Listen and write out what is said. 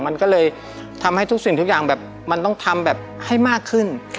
มันก็เลยทำให้ทุกสิ่งทุกอย่างแบบมันต้องทำแบบให้มากขึ้น